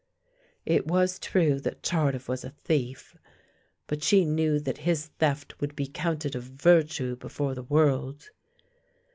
It was true that Tardif was a thief, but she knew that his theft would be counted a virtue before the world.